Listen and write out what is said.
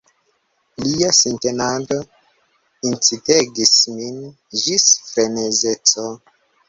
Lia sintenado incitegis min ĝis frenezeco.